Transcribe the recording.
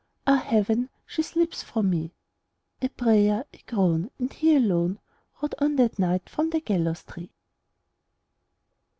Ah, heaven, she slips from me!" A prayer, a groan, and he alone Rode on that night from the gallows tree.